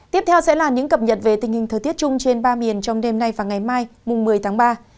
tiếp theo sẽ là những cập nhật về tình hình thời tiết chung trên ba miền trong đêm nay và ngày mai một mươi tháng ba